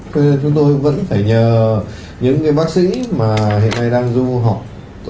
thế nên chúng tôi vẫn phải nhờ những cái bác sĩ mà hiện nay đang du học